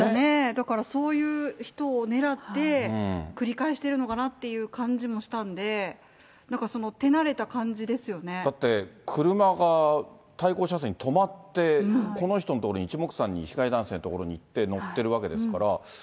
だからそういう人を狙って、繰り返してるのかなっていう感じもしたんで、だって、車が対向車線に止まって、この人の所にいちもくさんに、被害男性の所に行って、乗ってるわけですから。